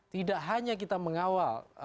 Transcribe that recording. tidak hanya kita mengawal